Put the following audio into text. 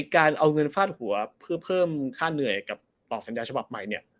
การเอาเงินฟาดหัวเพื่อเพิ่มค่าเหนื่อยกับต่อสัญญาฉบับใหม่เนี่ย